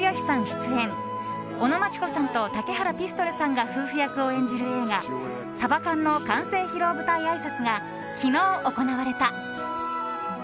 出演尾野真千子さんと竹原ピストルさんが夫婦役を演じる映画「ＳＡＢＡＫＡＮ」の完成披露舞台あいさつが昨日行われた。